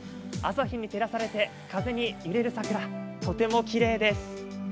朝日に照らされて風に揺れる桜、とてもきれいです。